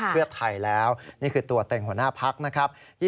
เพื่อไทยแล้วนี่คือตัวเต็งหัวหน้าพักนะครับ